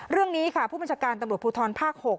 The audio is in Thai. เรื่องนี้ค่ะผู้บัญชาการตำรวจภูทรภาค๖